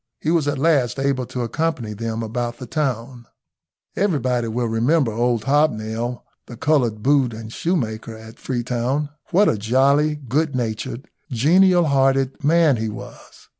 He was at last able to accompany them about the town. Everybody will remember old Hobnail, the coloured boot and shoe maker at Freetown. What a jolly, good natured, genial hearted man he was!